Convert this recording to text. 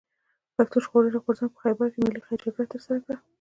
پښتون ژغورني غورځنګ په خېبر کښي ملي جرګه ترسره کړه.